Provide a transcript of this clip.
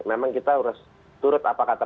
memang kita harus turut apa kata